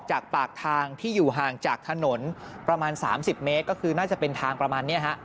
จากปากทางที่อยู่ห่างจากถนนประมาณ๓๐เมตรก็คือน่าจะเป็นทางประมาณนี้ฮะ